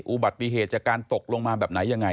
อุบัติเหตุจากการตกลงมาแบบไหนยังไง